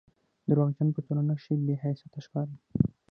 درواغجن په ټولنه کښي بې حيثيته ښکاري